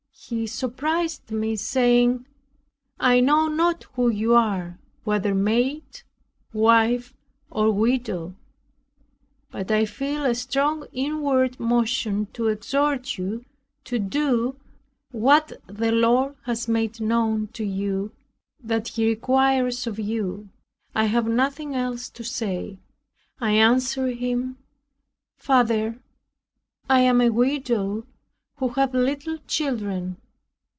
He surprised me saying, "I know not who you are whether maid, wife or widow; but I feel a strong inward motion to exhort you to do what the Lord has made known to you, that he requires of you. I have nothing else to say." I answered him, "Father, I am a widow who have little children.